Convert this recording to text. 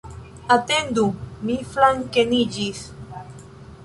Atendu, mi flankeniĝis.